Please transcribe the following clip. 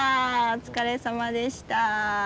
お疲れさまでした。